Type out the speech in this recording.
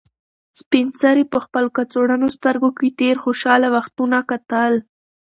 سپین سرې په خپل کڅوړنو سترګو کې تېر خوشحاله وختونه کتل.